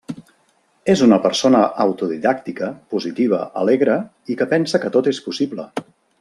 És una persona autodidàctica, positiva, alegre i que pensa que tot és possible.